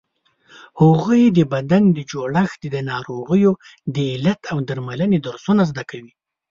هغوی د بدن د جوړښت، د ناروغیو د علت او درملنې درسونه زده کوي.